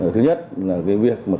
thứ nhất là việc khách hàng